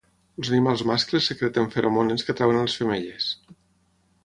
Els animals mascles secreten feromones que atreuen les femelles.